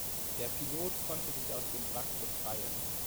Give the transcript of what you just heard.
Der Pilot konnte sich aus dem Wrack befreien.